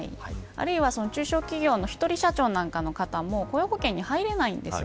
あるいは、中小企業の１人社長の方も雇用保険に入れないんです。